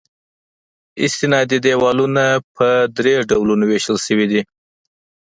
استنادي دیوالونه په درې ډولونو ویشل شوي دي